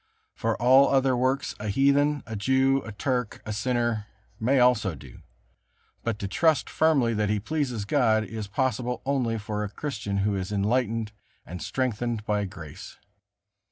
For all other works a heathen, a Jew, a Turk, a sinner, may also do; but to trust firmly that he pleases God, is possible only for a Christian who is enlightened and strengthened by grace.